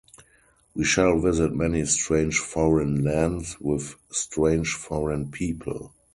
We shall visit many strange foreign lands with strange foreign people.